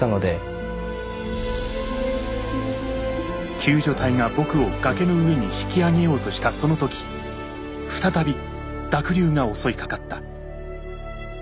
救助隊が僕を崖の上に引き上げようとしたその時再び濁流が襲いかかった。